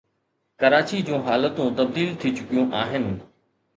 ڪراچي جون حالتون تبديل ٿي چڪيون آهن